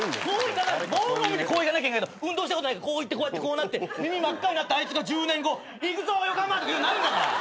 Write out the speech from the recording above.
ボールを見てこういかなきゃいけないけど運動したことないからこういってこうやってこうなって耳真っ赤になったあいつが１０年後「いくぞ横浜」とか言うようになるんだから。